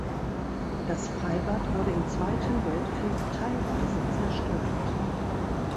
Das Freibad wurde im Zweiten Weltkrieg teilweise zerstört.